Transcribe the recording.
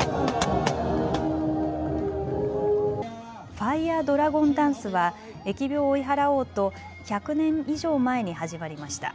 ファイア・ドラゴン・ダンスは疫病を追い払おうと１００年以上前に始まりました。